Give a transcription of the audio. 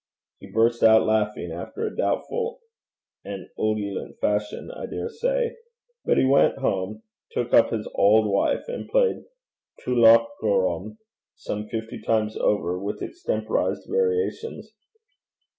He burst out laughing, after a doubtful and ululant fashion, I dare say; but he went home, took up his auld wife, and played 'Tullochgorum' some fifty times over, with extemporized variations.